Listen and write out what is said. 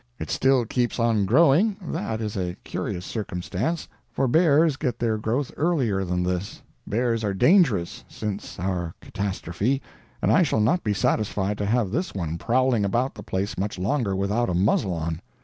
It still keeps on growing that is a curious circumstance, for bears get their growth earlier than this. Bears are dangerous since our catastrophe and I shall not be satisfied to have this one prowling about the place much longer without a muzzle on.